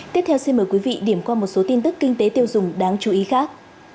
tiếp theo xin mời quý vị điểm qua một số tin tức kinh tế tiêu dùng đáng chú ý khác